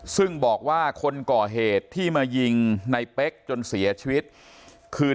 ซึ่งบอกว่าคนก่อเหตุที่มายิงในเป๊กจนเสียชีวิตคือ